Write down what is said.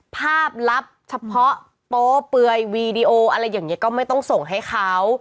ภาพลับเฉพาะโป๊เปื่อยวีดีโออะไรอย่างนี้ก็ไม่ต้องส่งให้เขา